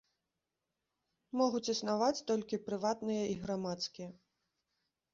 Могуць існаваць толькі прыватныя і грамадскія.